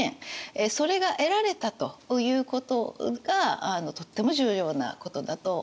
それが得られたということがとっても重要なことだと思います。